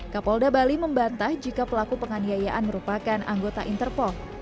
kapolda bali membantah jika pelaku penganiayaan merupakan anggota interpol